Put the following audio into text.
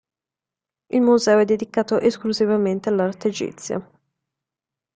Il museo è dedicato esclusivamente all'arte egizia.